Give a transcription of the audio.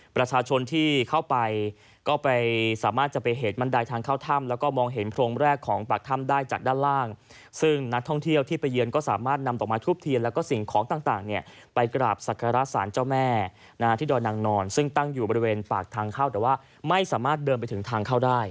ประชาชนที่เข้าไปก็ไปสามารถจะไปเห็นบันไดทางเข้าถ้ำแล้วก็มองเห็นโพรงแรกของปากถ้ำได้จากด้านล่างซึ่งนักท่องเที่ยวที่ไปเยือนก็สามารถนำดอกไม้ทูบเทียนแล้วก็สิ่งของต่างเนี่ยไปกราบศักระสารเจ้าแม่ที่ดอยนางนอนซึ่งตั้งอยู่บริเวณปากทางเข้าแต่ว่าไม่สามารถเดินไปถึงทางเข้าได้